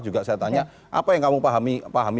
juga saya tanya apa yang kamu pahami